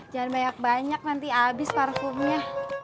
jangan banyak banyak nanti habis parfumnya